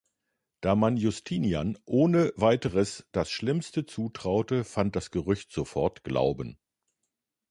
Da man Justinian ohne weiteres das Schlimmste zutraute, fand das Gerücht sofort Glauben.